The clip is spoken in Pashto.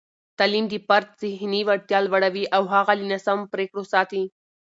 تعلیم د فرد ذهني وړتیا لوړوي او هغه له ناسمو پرېکړو ساتي.